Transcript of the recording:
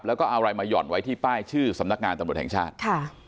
แล้วก็เอาอะไรมาหย่อนไว้ที่ป้ายชื่อสำนักงานตำรวจแห่งชาติ